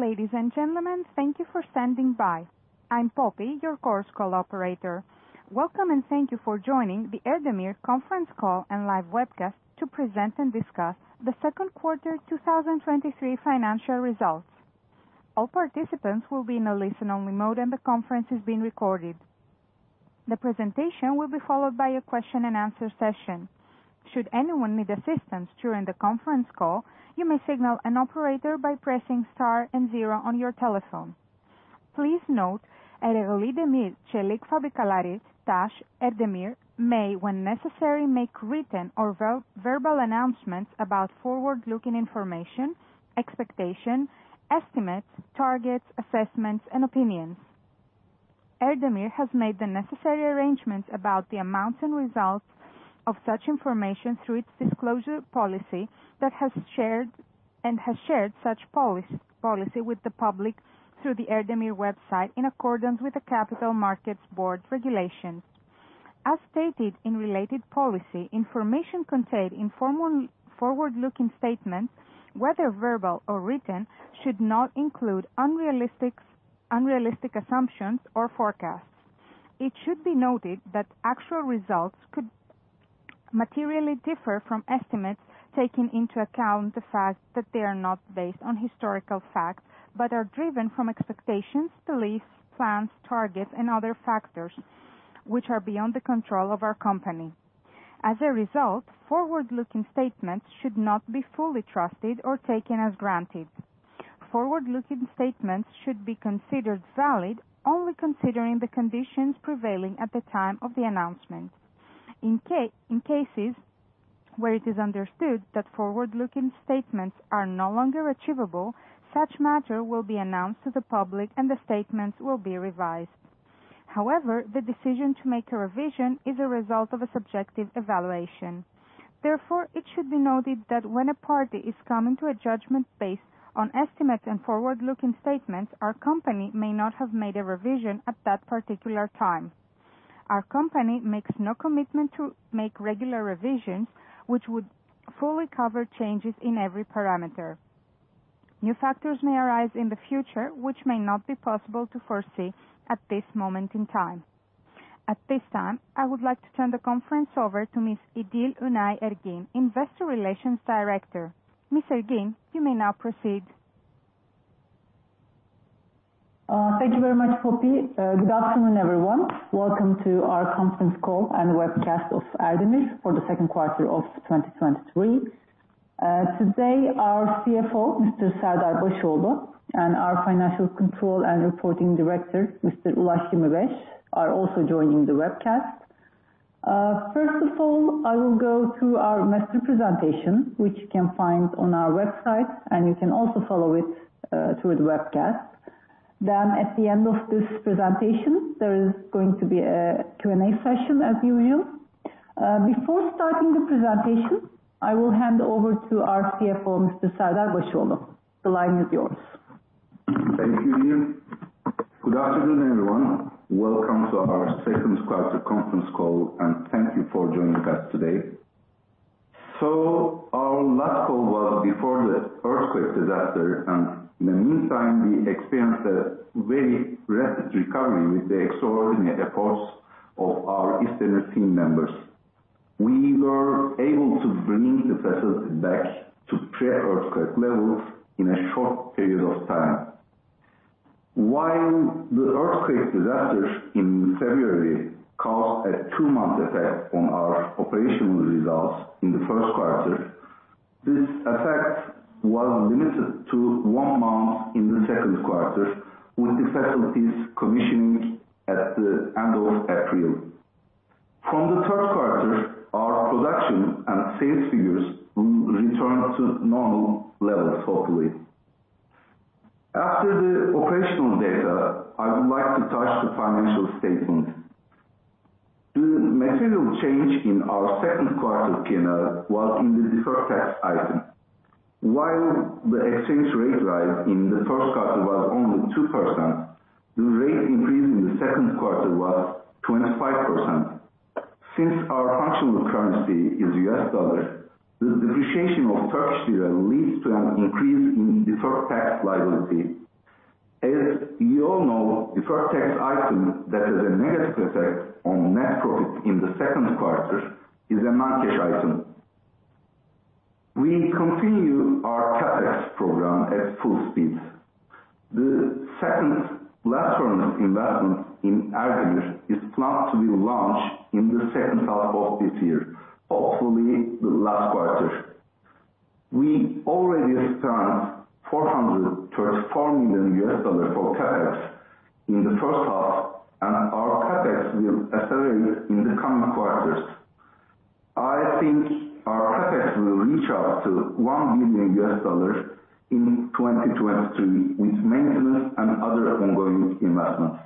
Ladies and gentlemen, thank you for standing by. I'm Poppy, your Chorus Call operator. Welcome, and thank you for joining the Erdemir conference call and live webcast to present and discuss the second quarter of 2023 financial results. All participants will be in a listen-only mode, and the conference is being recorded. The presentation will be followed by a question-and-answer session. Should anyone need assistance during the conference call, you may signal an operator by pressing star and zero on your telephone. Please note, Ereğli Demir ve Çelik Fabrikaları T.A.Ş. Erdemir may, when necessary, make written or verbal announcements about forward-looking information, expectation, estimates, targets, assessments, and opinions. Erdemir has made the necessary arrangements about the amounts and results of such information through its disclosure policy and has shared such polices, policy with the public through the Erdemir website, in accordance with the Capital Markets Board regulations. As stated in related policy, information contained in forward-looking statements, whether verbal or written, should not include unrealistic, unrealistic assumptions or forecasts. It should be noted that actual results could materially differ from estimates, taking into account the fact that they are not based on historical facts, but are driven from expectations, beliefs, plans, targets, and other factors, which are beyond the control of our company. As a result, forward-looking statements should not be fully trusted or taken as granted. Forward-looking statements should be considered valid only considering the conditions prevailing at the time of the announcement. In cases where it is understood that forward-looking statements are no longer achievable, such matter will be announced to the public, and the statements will be revised. However, the decision to make a revision is a result of a subjective evaluation. Therefore, it should be noted that when a party is coming to a judgment based on estimates and forward-looking statements, our company may not have made a revision at that particular time. Our company makes no commitment to make regular revisions, which would fully cover changes in every parameter. New factors may arise in the future, which may not be possible to foresee at this moment in time. At this time, I would like to turn the conference over to Miss Idil Onay Ergin, Investor Relations Director. Ms. Ergin, you may now proceed. Thank you very much, Poppy. Good afternoon, everyone. Welcome to our conference call and webcast of Erdemir for the second quarter of 2023. Today, our CFO, Mr. Serdar Basoglu, and our Financial Control and Reporting Director, Mr. Ulaş Yirmibeş, are also joining the webcast. First of all, I will go through our master presentation, which you can find on our website, and you can also follow it through the webcast. At the end of this presentation, there is going to be a Q&A session, as usual. Before starting the presentation, I will hand over to our CFO, Mr. Serdar Başoğlu. The line is yours. Thank you, Idil. Good afternoon, everyone. Welcome to our second quarter conference call. Thank you for joining us today. Our last call was before the earthquake disaster. In the meantime, we experienced a very rapid recovery with the extraordinary efforts of our İsdemir team members. We were able to bring the facility back to pre-earthquake levels in a short period of time. While the earthquake disaster in February caused a two-month effect on our operational results in the first quarter, this effect was limited to one month in the second quarter, with the facilities commissioning at the end of April. From the third quarter, our production and sales figures will return to normal levels, hopefully. After the operational data, I would like to touch the financial statements. The material change in our second quarter PNL was in the deferred tax item. While the exchange rate rise in the first quarter was only 2%, the rate increase in the second quarter was 25%. Since our functional currency is US dollar, the depreciation of Turkish lira leads to an increase in deferred tax liability. As you all know, deferred tax item that has a negative effect on net profit in the second quarter is a market item. We continue our CapEx program at full speed. The second long-term investment in Erdemir is planned to be launched in the second half of this year, hopefully the last quarter. We already spent $434 million for CapEx in the first half, and our CapEx will accelerate in the coming quarters. I think our CapEx will reach up to $1 billion in 2023, with maintenance and other ongoing investments.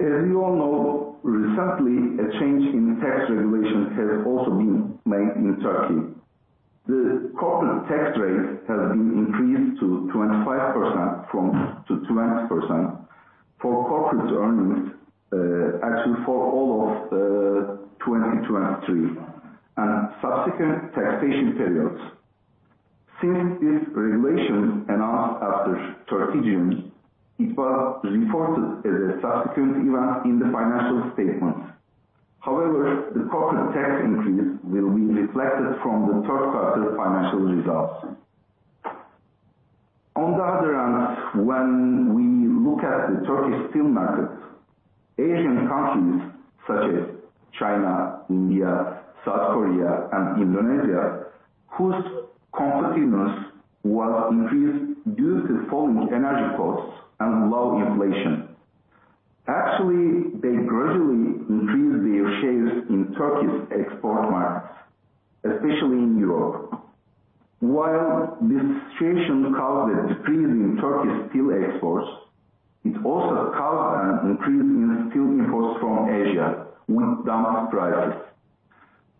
As you all know, recently, a change in tax regulation has also been made in Turkey. The corporate tax rate has been increased to 25% from to 20% for corporate earnings, actually for all of 2023 and subsequent taxation periods. Since this regulation announced after 30 June, it was reported as a subsequent event in the financial statements. However, the corporate tax increase will be reflected from the third quarter financial results. On the other hand, when we look at the Turkish steel market, Asian countries such as China, India, South Korea, and Indonesia, whose competitiveness was increased due to falling energy costs and low inflation. Actually, they gradually increased their shares in Turkey's export markets, especially in Europe. While this situation caused a decrease in Turkish steel exports, it also caused an increase in steel imports from Asia with dumped prices.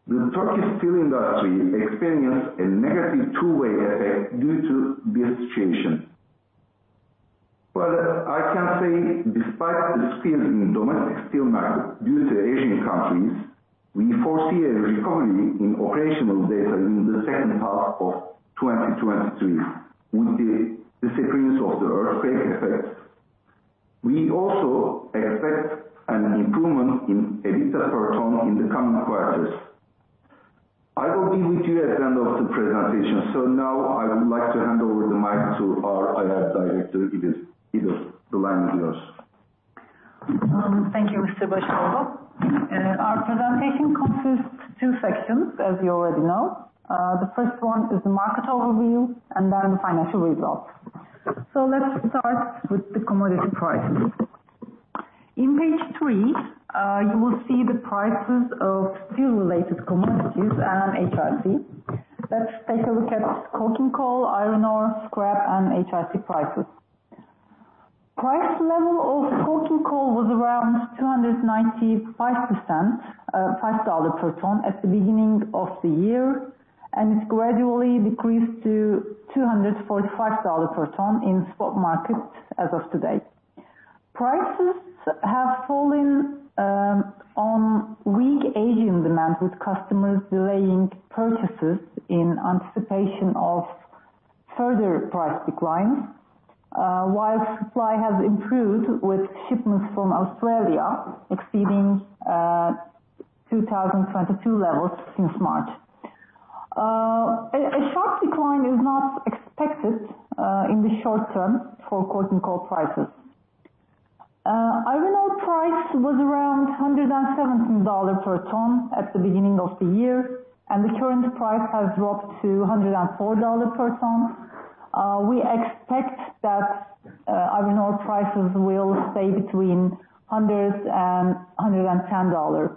The Turkish steel industry experienced a negative two-way effect due to this situation. Well, I can say despite the squeeze in the domestic steel market due to Asian countries, we foresee a recovery in operational data in the second half of 2023, with the disappearance of the earthquake effects. We also expect an improvement in EBITDA per ton in the coming quarters. I will be with you at the end of the presentation. Now I would like to hand over the mic to our IR director, Idil. Idil, the line is yours. Thank you, Mr. Basoglu. Our presentation consists two sections, as you already know. The first one is the market overview and then the financial results. Let's start with the commodity prices. In page 3, you will see the prices of steel-related commodities and HRC. Let's take a look at coking coal, iron ore, scrap, and HRC prices. Price level of coking coal was around 295%, $5 per ton at the beginning of the year, and it's gradually decreased to $245 per ton in spot markets as of today. Prices have fallen on weak Asian demand, with customers delaying purchases in anticipation of further price declines, while supply has improved, with shipments from Australia exceeding 2022 levels since March. A sharp decline is not expected in the short term for coking coal prices. Iron ore price was around $117 per ton at the beginning of the year, and the current price has dropped to $104 per ton. We expect that iron ore prices will stay between $100 and $110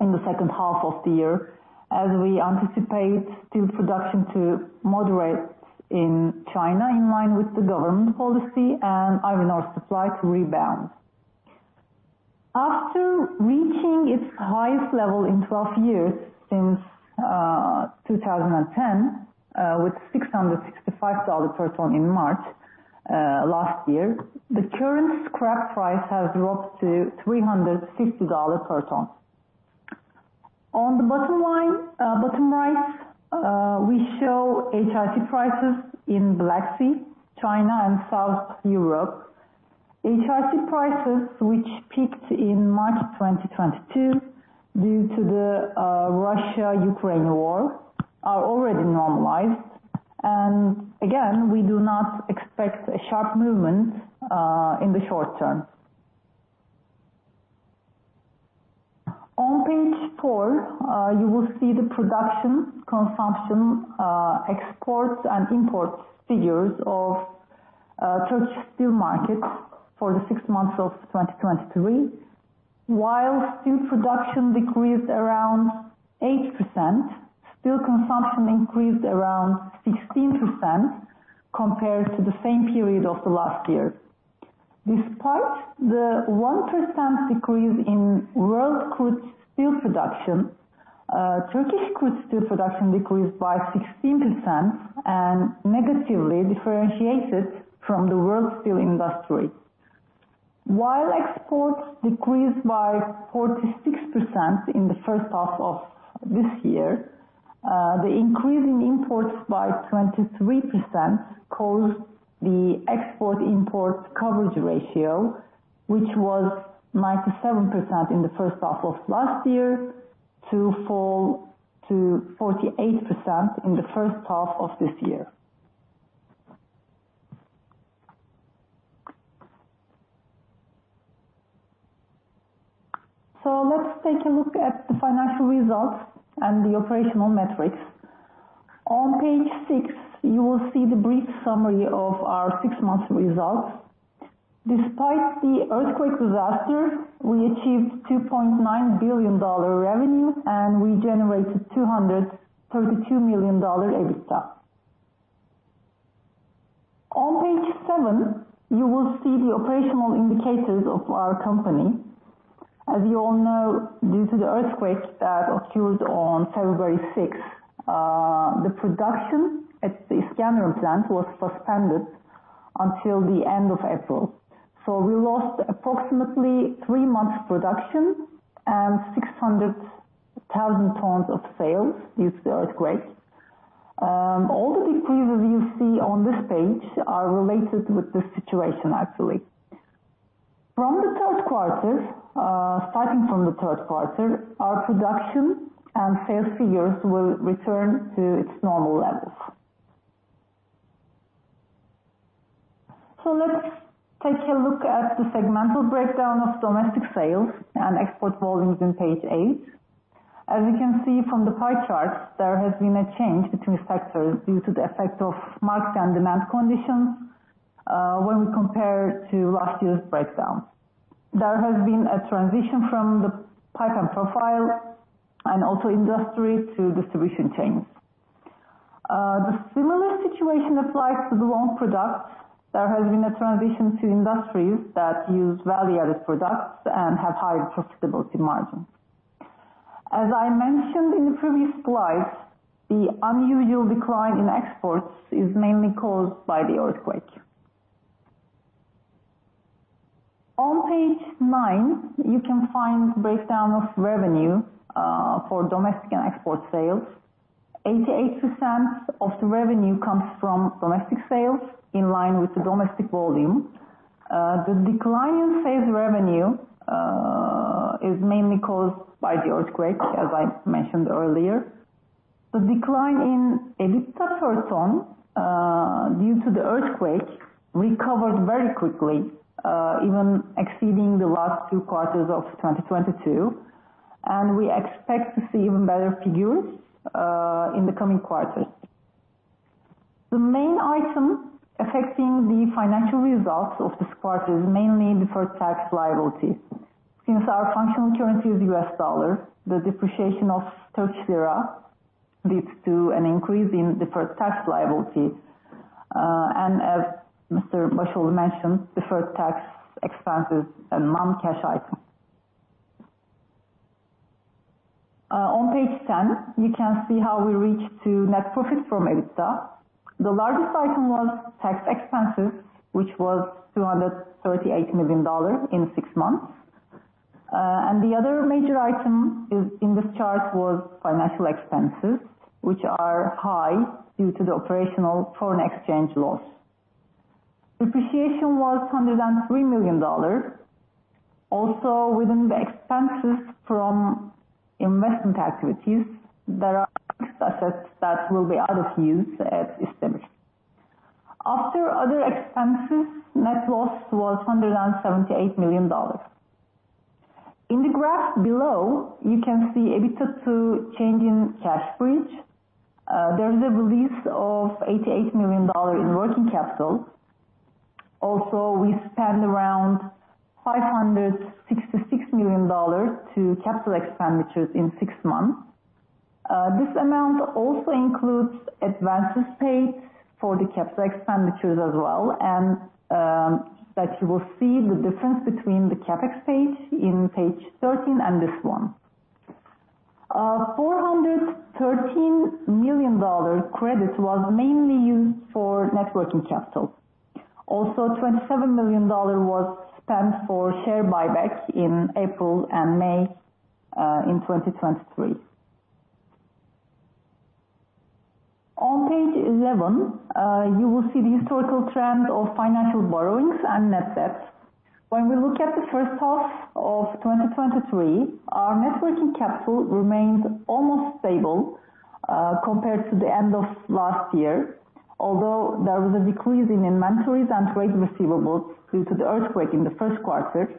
in the second half of the year, as we anticipate steel production to moderate in China, in line with the government policy and iron ore supply to rebound. After reaching its highest level in 12 years, since 2010, with $665 per ton in March last year, the current scrap price has dropped to $360 per ton. On the bottom line, bottom right, we show HRC prices in Black Sea, China and South Europe. HRC prices, which peaked in March 2022 due to the Russia-Ukraine war, are already normalized, and again, we do not expect a sharp movement in the short term. On page 4, you will see the production, consumption, exports, and imports figures of Turkish steel markets for the 6 months of 2023. While steel production decreased around 8%, steel consumption increased around 16% compared to the same period of the last year. Despite the 1% decrease in world crude steel production, Turkish crude steel production decreased by 16% and negatively differentiated from the world steel industry. While exports decreased by 46% in the first half of this year, the increase in imports by 23% caused the export-import coverage ratio, which was 97% in the first half of last year, to fall to 48% in the first half of this year. Let's take a look at the financial results and the operational metrics. On page 6, you will see the brief summary of our 6-month results. Despite the earthquake disaster, we achieved $2.9 billion revenue, and we generated $232 million EBITDA. On page 7, you will see the operational indicators of our company. As you all know, due to the earthquake that occurred on February 6, the production at the Iskenderun plant was suspended until the end of April. We lost approximately 3 months production and 600,000 tons of sales due to the earthquake. All the decreases you see on this page are related with this situation, actually. From the third quarter, starting from the third quarter, our production and sales figures will return to its normal levels. Let's take a look at the segmental breakdown of domestic sales and export volumes in page 8. As you can see from the pie chart, there has been a change between sectors due to the effect of market and demand conditions, when we compare to last year's breakdown. There has been a transition from the pipe and profile, and also industry to distribution chains. The similar situation applies to the long products. There has been a transition to industries that use value-added products and have higher profitability margins. As I mentioned in the previous slide, the unusual decline in exports is mainly caused by the earthquake. On page 9, you can find breakdown of revenue for domestic and export sales. 88% of the revenue comes from domestic sales, in line with the domestic volume. The decline in sales revenue is mainly caused by the earthquake, as I mentioned earlier. The decline in EBITDA per ton, due to the earthquake, recovered very quickly, even exceeding the last 2 quarters of 2022, and we expect to see even better figures in the coming quarters. The main item affecting the financial results of this quarter is mainly deferred tax liability. Since our functional currency is US dollar, the depreciation of Turkish lira leads to an increase in deferred tax liability. As Mr. Basoglu mentioned, deferred tax expenses are non-cash item. On page 10, you can see how we reached to net profit from EBITDA. The largest item was tax expenses, which was $238 million in 6 months. The other major item is, in this chart, was financial expenses, which are high due to the operational foreign exchange loss. Depreciation was $103 million. Also, within the expenses from investment activities, there are assets that will be out of use at İsdemir. After other expenses, net loss was $178 million. In the graph below, you can see EBITDA to change in cash bridge. There is a release of $88 million in working capital. Also, we spent around $566 million to capital expenditures in 6 months. This amount also includes advances paid for the CapEx as well, and that you will see the difference between the CapEx page in page 13 and this one. $413 million credits was mainly used for net working capital. Also, $27 million was spent for share buybacks in April and May in 2023. On page 11, you will see the historical trend of financial borrowings and net debts. When we look at the first half of 2023, our net working capital remained almost stable compared to the end of last year. Although there was a decrease in inventories and trade receivables due to the earthquake in the first quarter,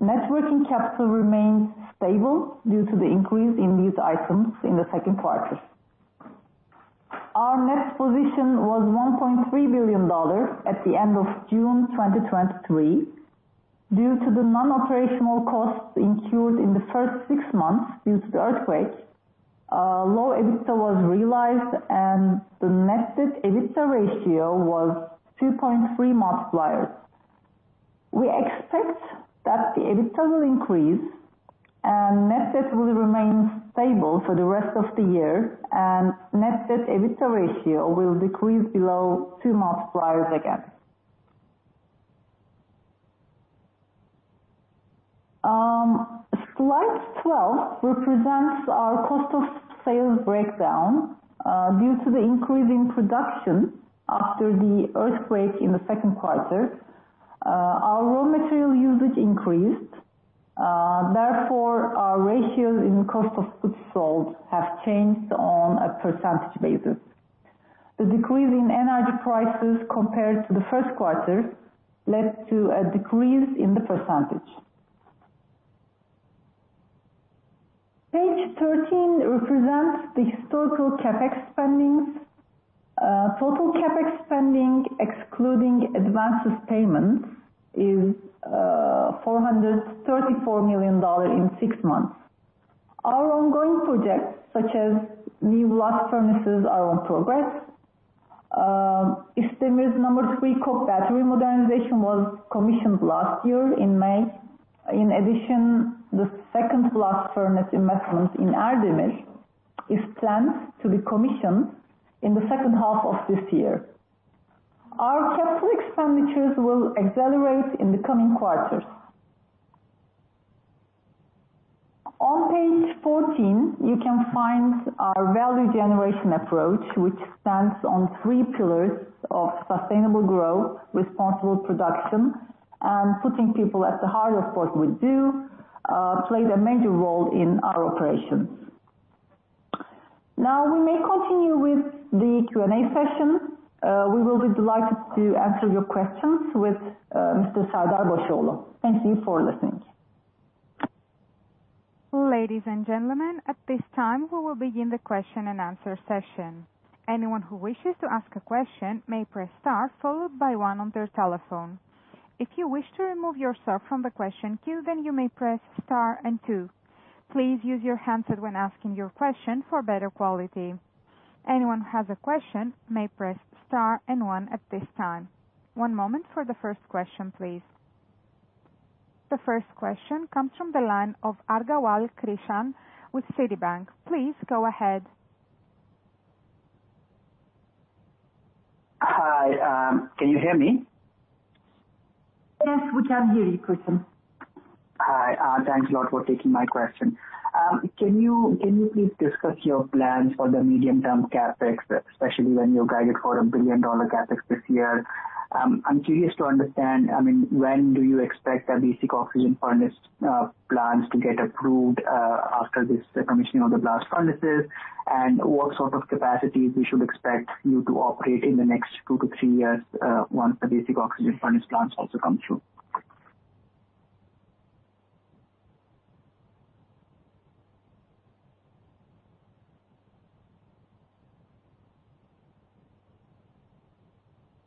net working capital remained stable due to the increase in these items in the second quarter. Our net position was $1.3 billion at the end of June 2023. Due to the non-operational costs incurred in the first six months due to the earthquake, low EBITDA was realized, and the Net Debt/EBITDA ratio was 2.3x. We expect that the EBITDA will increase and net debt will remain stable for the rest of the year, and Net Debt/EBITDA ratio will decrease below 2x again. Slide 12 represents our cost of sales breakdown. Due to the increase in production after the earthquake in the second quarter, our raw material usage increased. Therefore, our ratios in cost of goods sold have changed on a percentage basis. The decrease in energy prices compared to the first quarter led to a decrease in the percentage. Page 13 represents the historical CapEx spendings. Total CapEx spending, excluding advances payments, is $434 million in six months. Our ongoing projects, such as new coke batteries, are on progress. İsdemir's number three coke battery modernization was commissioned last year in May. In addition, the second blast furnace investment in Erdemir is planned to be commissioned in the second half of this year. Our capital expenditures will accelerate in the coming quarters. On page 14, you can find our value generation approach, which stands on three pillars of sustainable growth, responsible production, and putting people at the heart of what we do, play a major role in our operations. Now, we may continue with the Q&A session. We will be delighted to answer your questions with Mr. Serdar Basoğlu. Thank you for listening. Ladies and gentlemen, at this time, we will begin the question and answer session. Anyone who wishes to ask a question may press star, followed by one on their telephone. If you wish to remove yourself from the question queue, then you may press star and two. Please use your handset when asking your question for better quality. Anyone who has a question may press star and one at this time. One moment for the first question, please. The first question comes from the line of Krishan Agarwal with Citibank. Please go ahead. Hi. Can you hear me? Yes, we can hear you, Krishan. Hi, thanks a lot for taking my question. Can you, can you please discuss your plans for the medium-term CapEx, especially when you guided for a $1 billion CapEx this year? I'm curious to understand, I mean, when do you expect the basic oxygen furnace plans to get approved after this commissioning of the blast furnaces? And what sort of capacities we should expect you to operate in the next 2-3 years once the basic oxygen furnace plants also come through?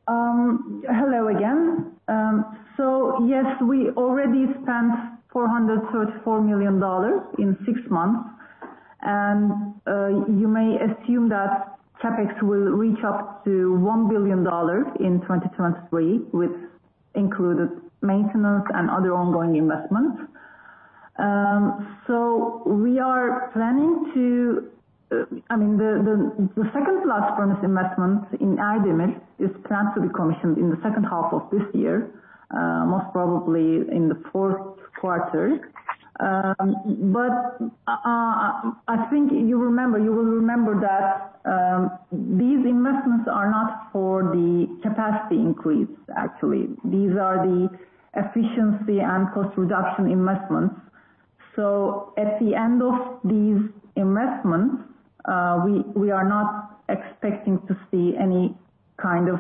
Hello again. Yes, we already spent $434 million in six months, and you may assume that CapEx will reach up to $1 billion in 2023, which included maintenance and other ongoing investments. We are planning to, I mean, the, the, the second blast furnace investment in Erdemir is planned to be commissioned in the second half of this year, most probably in the fourth quarter. I think you remember, you will remember that these investments are not for the capacity increase, actually. These are the efficiency and cost reduction investments. At the end of these investments, we, we are not expecting to see any kind of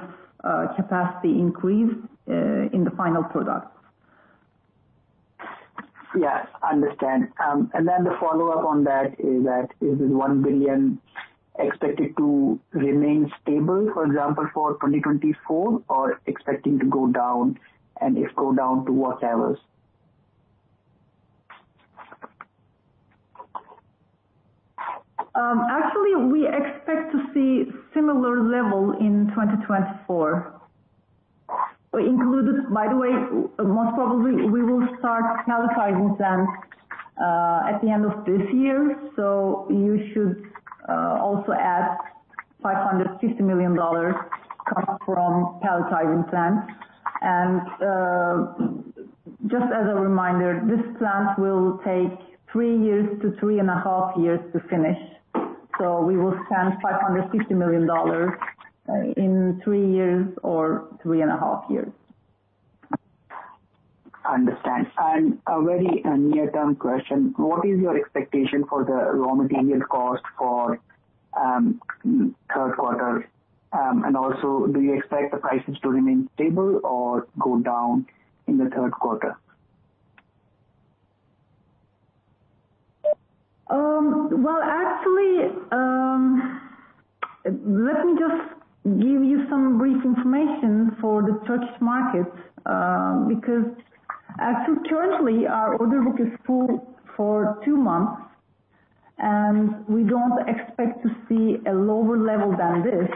capacity increase in the final products. Yes, understand. The follow-up on that is that, is the $1 billion expected to remain stable, for example, for 2024, or expecting to go down, and if go down to what levels? actually, we expect to see similar level in 2024. We included, by the way, most probably we will start pelletizing plant at the end of this year, you should also add $550 million come from pelletizing plant. just as a reminder, this plant will take 3 years to 3.5 years to finish. we will spend $550 million in 3 years or 3.5 years. Understand. A very near-term question: What is your expectation for the raw material cost for, third quarter? Also, do you expect the prices to remain stable or go down in the third quarter? Well, actually, let me just give you some brief information for the Turkish market because actually, currently our order book is full for 2 months, and we don't expect to see a lower level than this.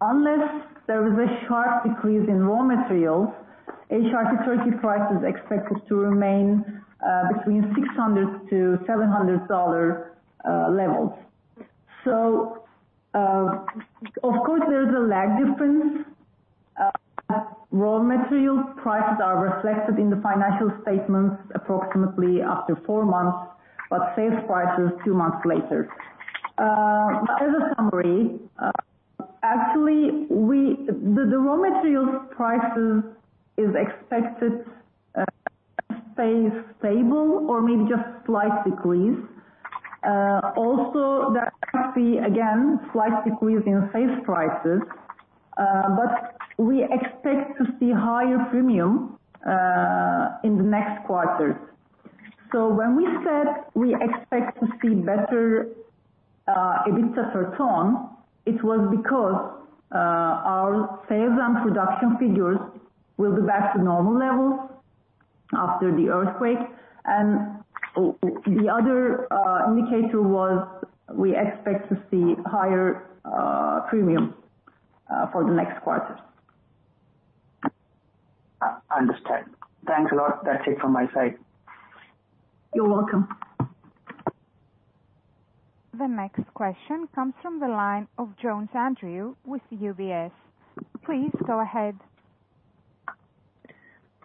Unless there is a sharp decrease in raw materials, HRC Turkey price is expected to remain between $600-$700 levels.. Of course, there is a lag difference. Raw material prices are reflected in the financial statements approximately after 4 months, but sales prices 2 months later. As a summary, actually, the raw materials prices is expected to stay stable or maybe just slight decrease. Also there might be, again, slight decrease in sales prices, but we expect to see higher premium in the next quarters. When we said we expect to see better, EBITDA per ton, it was because our sales and production figures will be back to normal levels after the earthquake. The other indicator was we expect to see higher premium for the next quarter. understood. Thanks a lot. That's it from my side. You're welcome. The next question comes from the line of Andrew Jones with UBS. Please go ahead.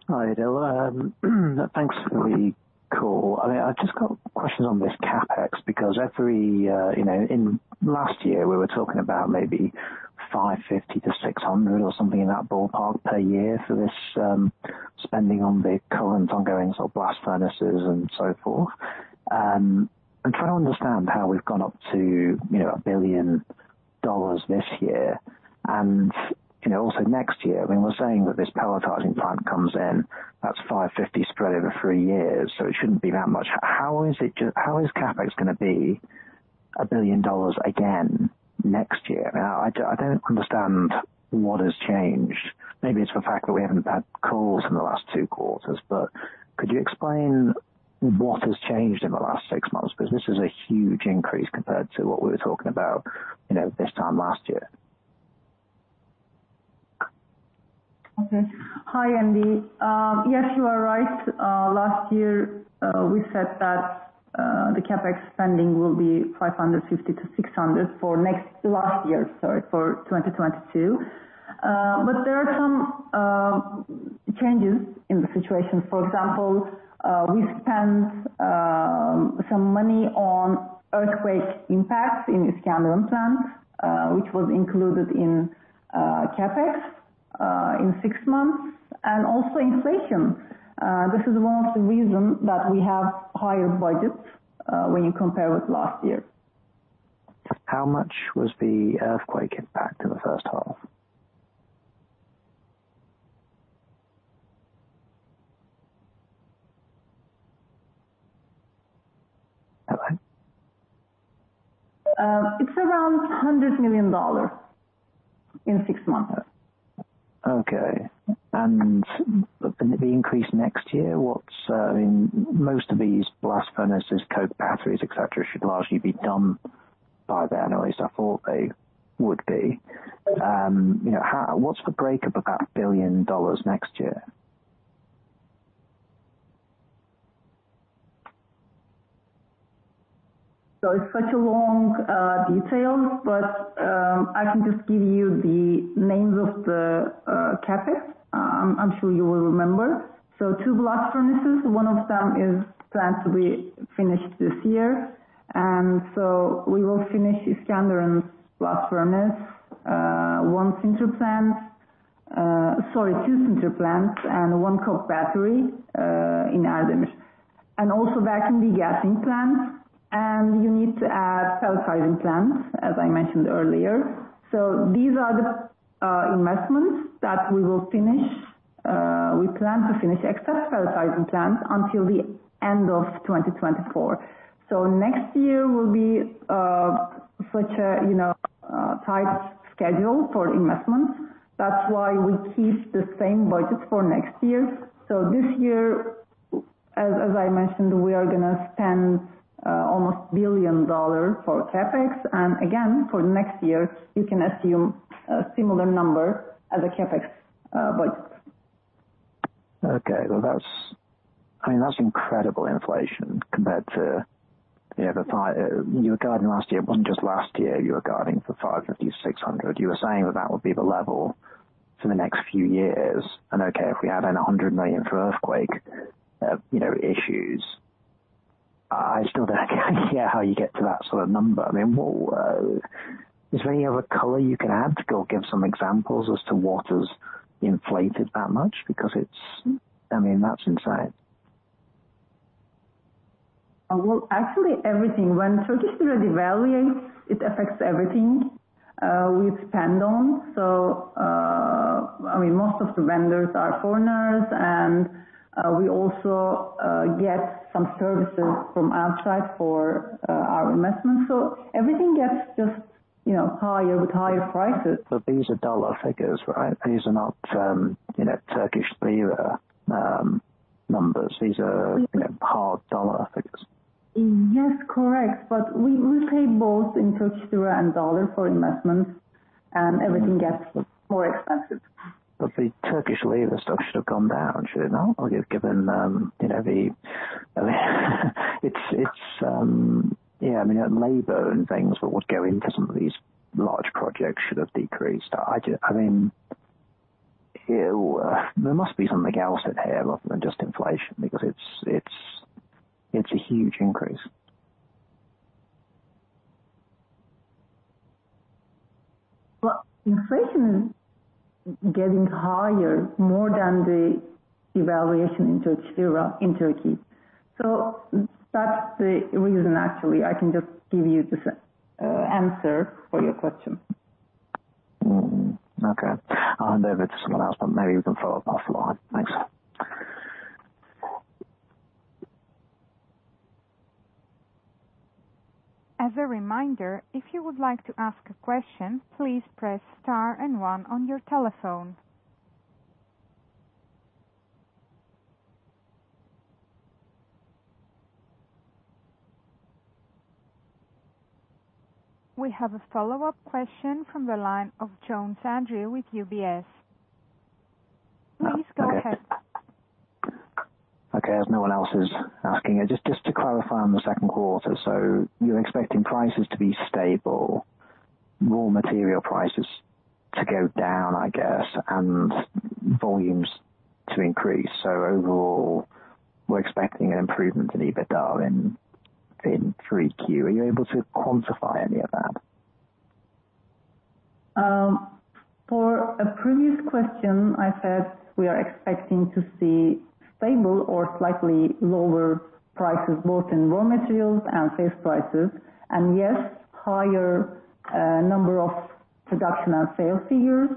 Hi, Idil. Thanks for the call. I, I've just got questions on this CapEx, because every, you know, in last year, we were talking about maybe $550 million-$600 million or something in that ballpark per year for this, spending on the current ongoings or blast furnaces and so forth. I'm trying to understand how we've gone up to, you know, $1 billion this year, and, you know, also next year. I mean, we're saying that this pelletizing plant comes in, that's $550 million spread over 3 years, so it shouldn't be that much. How is it how is CapEx gonna be $1 billion again next year? Now, I don't understand what has changed. Maybe it's the fact that we haven't had calls in the last 2 quarters, but could you explain what has changed in the last 6 months? This is a huge increase compared to what we were talking about, you know, this time last year. Okay. Hi, Andrew. Yes, you are right. Last year, we said that the CapEx spending will be $550 million-$600 million for next... Last year, sorry, for 2022. There are some changes in the situation. For example, we spent some money on earthquake impact in Iskenderun plant, which was included in CapEx in 6 months, and also inflation. This is one of the reasons that we have higher budgets when you compare with last year. How much was the earthquake impact in the first half? Hello? It's around $100 million in 6 months. Okay. The increase next year. I mean, most of these blast furnaces, coke batteries, et cetera, should largely be done by then, or at least I thought they would be. You know, how, what's the breakup of that $1 billion next year? It's such a long detail, but I can just give you the names of the CapEx. I'm sure you will remember. 2 blast furnaces, one of them is planned to be finished this year, and so we will finish Iskenderun blast furnace, 1 sinter plant, sorry, 2 sinter plants and 1 coke battery in Erdemir. Also, that can be degassing plant, and you need to add pelletizing plants, as I mentioned earlier. These are the investments that we will finish. We plan to finish excess pelletizing plants until the end of 2024. Next year will be such a, you know, tight schedule for investments. That's why we keep the same budget for next year. This year, as I mentioned, we are gonna spend, almost $1 billion for CapEx, and again, for next year, you can assume a similar number as a CapEx budget. Okay. Well, that's, I mean, that's incredible inflation compared to, you know, the 5, you were guiding last year, well, not just last year, you were guiding for $550, $600. You were saying that that would be the level for the next few years. Okay, if we add in $100 million for earthquake, you know, issues, I still don't get how you get to that sort of number. I mean, what, is there any other color you can add or give some examples as to what is inflated that much? Because it's, I mean, that's insane. Well, actually, everything. When Turkish lira devaluates, it affects everything, we spend on. I mean, most of the vendors are foreigners and, we also, get some services from outside for, our investments. Everything gets just, you know, higher with higher prices. These are dollar figures, right? These are not, you know, Turkish lira numbers. These are, you know, hard dollar figures. Yes, correct. We, we pay both in Turkish lira and US dollar for investments, and everything gets more expensive. The Turkish lira stuff should have gone down, should it not? Given, you know, the, it's, it's, yeah, I mean, labor and things, but what go into some of these large projects should have decreased. I mean, it... There must be something else at play here other than just inflation, because it's, it's, it's a huge increase. Well, inflation is getting higher, more than the evaluation in Turkish lira in Turkey. That's the reason actually. I can just give you the answer for your question. Mm. Okay. There is someone else, but maybe you can follow up offline. Thanks. As a reminder, if you would like to ask a question, please press star and one on your telephone. We have a follow-up question from the line of Andrew Jones with UBS. Please go ahead. Okay, as no one else is asking, just to clarify on the second quarter. You're expecting prices to be stable, raw material prices to go down, I guess, and volumes to increase. Overall, we're expecting an improvement in EBITDA in 3Q. Are you able to quantify any of that? For a previous question, I said we are expecting to see stable or slightly lower prices, both in raw materials and sales prices, and yes, higher, number of production and sales figures.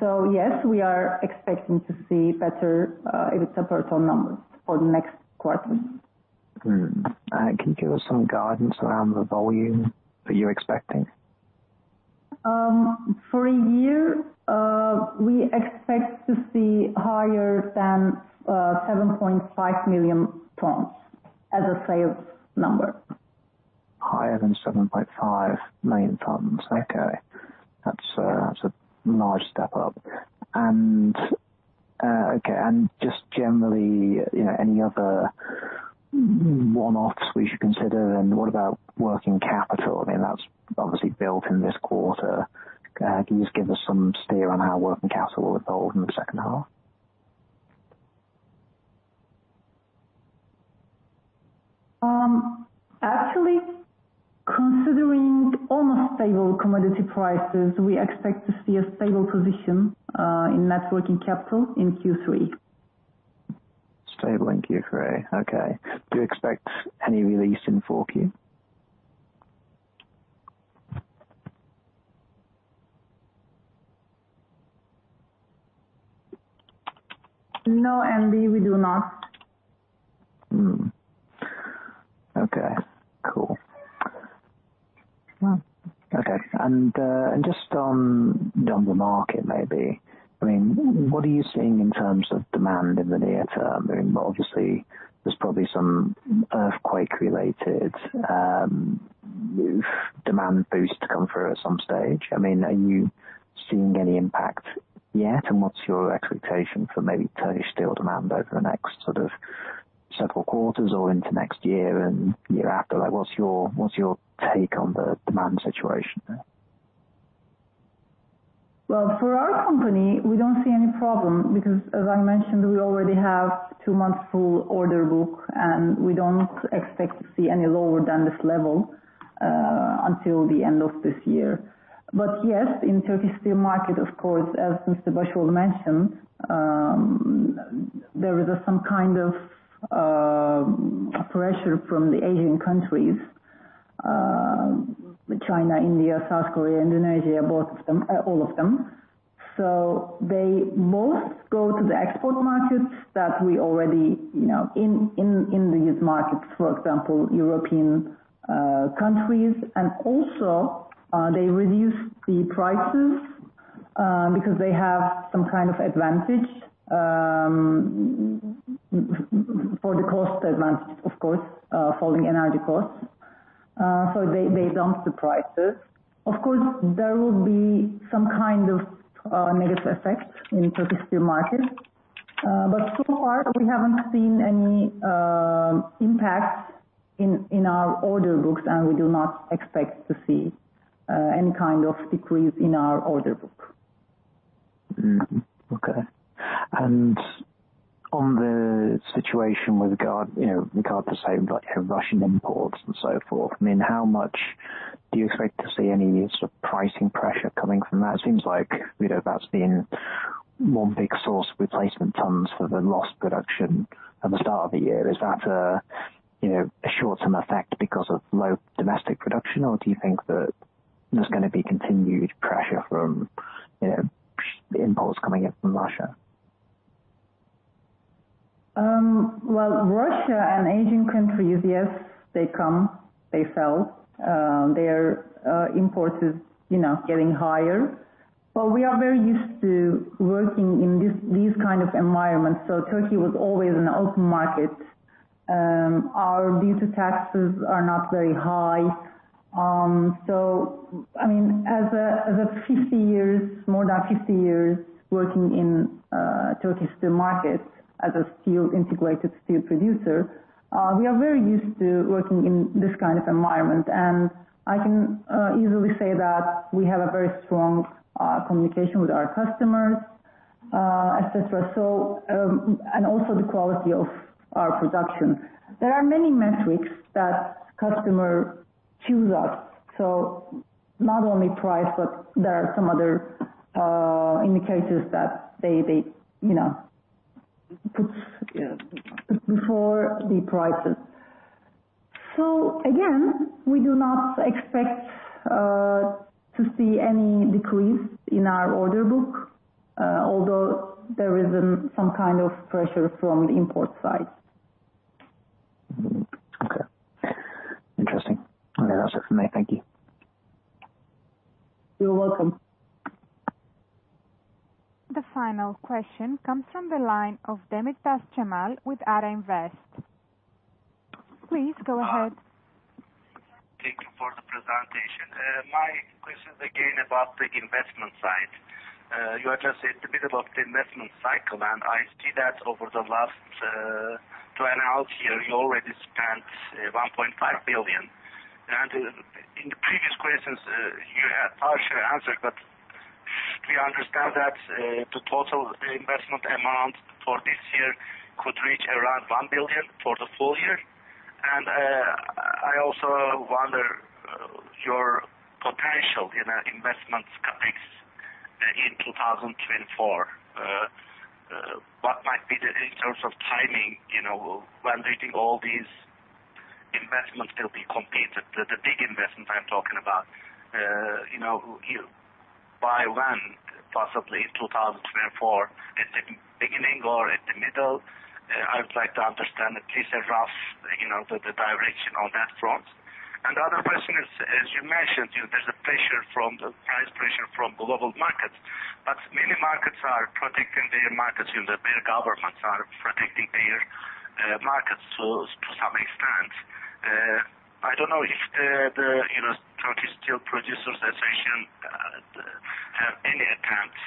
So yes, we are expecting to see better, EBITDA total numbers for the next quarter. Mm. Can you give us some guidance around the volume that you're expecting? For a year, we expect to see higher than 7.5 million tons as a sales number. Higher than 7.5 million tons. Okay. That's a, that's a large step up. Okay, and just generally, you know, any other one-offs we should consider, and what about working capital? I mean, that's obviously built in this quarter. Can you just give us some steer on how working capital will evolve in the second half? Actually, considering almost stable commodity prices, we expect to see a stable position, in net working capital in Q3. Stable in Q3. Okay. Do you expect any release in four Q? No, Andy, we do not. Mm. Okay, cool. Well, okay, just on, on the market maybe, I mean, what are you seeing in terms of demand in the near term? I mean, obviously, there's probably some earthquake related, roof demand boost to come through at some stage. I mean, are you seeing any impact yet? What's your expectation for maybe Turkish steel demand over the next sort of several quarters or into next year and year after? Like, what's your, what's your take on the demand situation? Well, for our company, we don't see any problem because as I mentioned, we already have two months full order book, and we don't expect to see any lower than this level until the end of this year. Yes, in Turkish steel market, of course, as Mr. Basoglu mentioned, there is some kind of pressure from the Asian countries, China, India, South Korea, Indonesia, both of them, all of them. They most go to the export markets that we already, you know, in, in, in these markets, for example, European countries, and also, they reduce the prices because they have some kind of advantage for the cost advantage, of course, following energy costs. They, they don't surprise us. Of course, there will be some kind of negative effect in Turkish steel market. So far, we haven't seen any impact in, in our order books, and we do not expect to see any kind of decrease in our order book. Okay. On the situation with regard, you know, regard to, say, like Russian imports and so forth, I mean, how much do you expect to see any sort of pricing pressure coming from that? It seems like, you know, that's been one big source of replacement tons for the lost production at the start of the year. Is that a, you know, a short-term effect because of low domestic production, or do you think that there's gonna be continued pressure from, you know, imports coming in from Russia? Well, Russia and Asian countries, yes, they come, they sell, their imports is, you know, getting higher. We are very used to working in this, these kind of environments, so Turkey was always an open market. Our duty taxes are not very high. I mean, as a, as a 50 years, more than 50 years working in Turkish steel market as a steel integrated steel producer, we are very used to working in this kind of environment, and I can easily say that we have a very strong communication with our customers, et cetera. And also the quality of our production. There are many metrics that customer choose us. Not only price, but there are some other indicators that they, they, you know, put before the prices. Again, we do not expect to see any decrease in our order book, although there is some kind of pressure from the import side. Okay, interesting. Okay, that's it for me. Thank you. You're welcome. The final question comes from the line of Cemal Demirtaş with Ata Invest. Please go ahead. Thank you for the presentation. My question is again about the investment side. You just said a bit about the investment cycle, and I see that over the last two and a half years, you already spent $1.5 billion. In the previous questions, you had partially answered, but we understand that the total investment amount for this year could reach around $1 billion for the full year. I also wonder your potential in our investment CapEx in 2024. What might be the in terms of timing, you know, when do you think all these investments will be completed? The, the big investments I'm talking about, you know, you by when possibly in 2024, at the beginning or at the middle, I would like to understand at least a rough, you know, the, the direction on that front. The other question is, as you mentioned, you know, there's a pressure price pressure from the global markets, but many markets are protecting their markets, you know, their governments are protecting their markets to some extent. I don't know if the, the, you know, Turkish Steel Producers Association have any attempts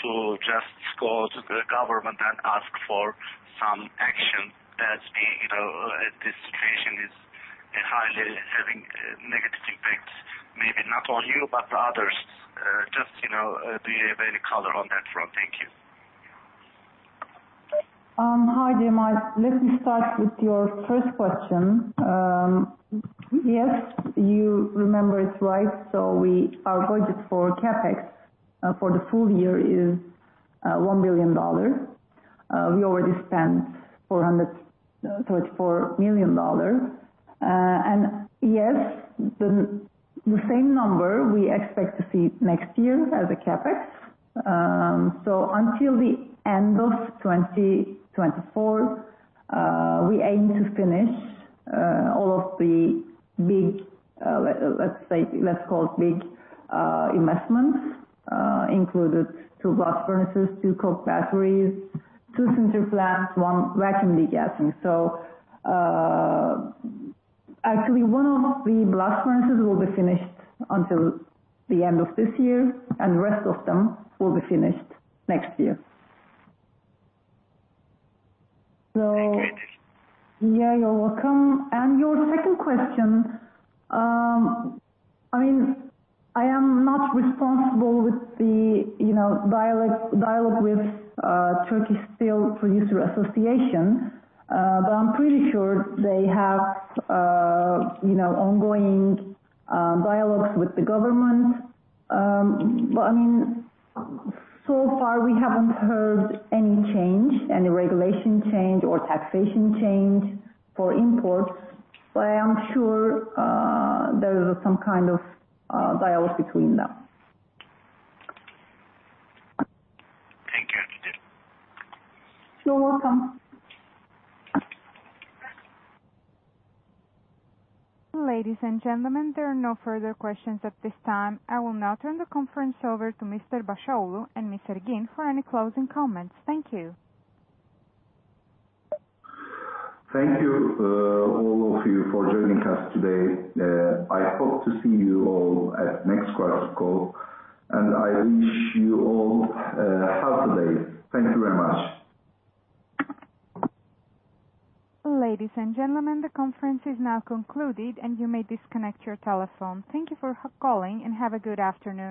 to just go to the government and ask for some action, as the, you know, this situation is highly having a negative impact, maybe not on you, but others. Just, you know, the way the color on that front. Thank you. Hi, Cemal. Let me start with your first question. Yes, you remember it right, our budget for CapEx for the full year is $1 billion. We already spent $434 million. Yes, the same number we expect to see next year as a CapEx. Until the end of 2024, we aim to finish all of the big, let's say, let's call it big, investments, included 2 blast furnaces, 2 coke batteries, 2 sinter plants, 1 vacuum degassing. Actually, 1 of the blast furnaces will be finished until the end of this year, and the rest of them will be finished next year. Thank you. Yeah, you're welcome. Your second question, I mean, I am not responsible with the, you know, dialog, dialogue with Turkish Steel Producers Association, but I'm pretty sure they have, you know, ongoing dialogues with the government. I mean, so far, we haven't heard any change, any regulation change or taxation change for import, but I am sure, there is some kind of dialogue between them. Thank you. You're welcome. Ladies and gentlemen, there are no further questions at this time. I will now turn the conference over to Mr. Basoglu and Mr. Ergin for any closing comments. Thank you. Thank you, all of you for joining us today. I hope to see you all at next quarter's call, and I wish you all a healthy day. Thank you very much. Ladies and gentlemen, the conference is now concluded, and you may disconnect your telephone. Thank you for calling, and have a good afternoon.